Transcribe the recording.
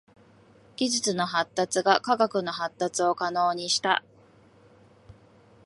技術の発達が科学の発達を可能にした。